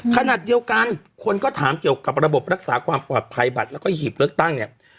ขณะเดียวกันคนก็ถามเกี่ยวกับระบบรักษาความปลอดภัยบัตรแล้วก็หีบเลือกตั้งเนี่ย